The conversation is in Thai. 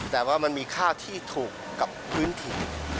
แต่ว่ามันมีค่าที่ถูกกับพื้นถิ่น